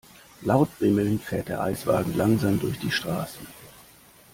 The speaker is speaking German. Laut bimmelnd fährt der Eiswagen langsam durch die Straßen.